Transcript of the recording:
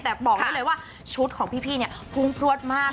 แต่บอกได้เลยว่าชุดของพี่เนี่ยพุ่งพลวดมาก